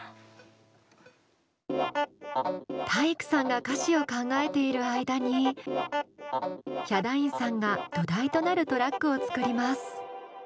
体育さんが歌詞を考えている間にヒャダインさんが土台となるトラックを作ります。